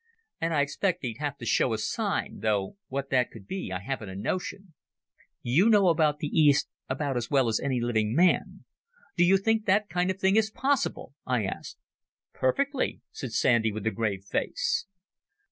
And I expect he'd have to show a sign, though what that could be I haven't a notion." "You know the East about as well as any living man. Do you think that kind of thing is possible?" I asked. "Perfectly," said Sandy, with a grave face.